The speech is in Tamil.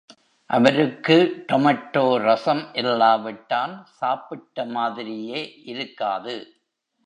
அவருக்கு டொமெட்டோ ரஸம் இல்லாவிட்டால் சாப்பிட்ட மாதிரியே இருக்காது.